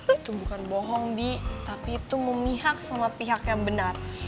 itu bukan bohong bi tapi itu memihak sama pihak yang benar